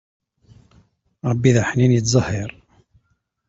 Ṛebbi d aḥnin iẓẓehhiṛ.